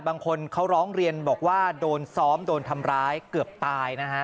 บางคนเขาร้องเรียนบอกว่าโดนซ้อมโดนทำร้ายเกือบตายนะฮะ